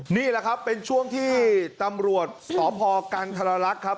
หนีล่ะครับเป็นช่วงที่ตำรวจสอบภอกรกรรถรรรยักษ์ครับ